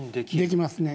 できますね。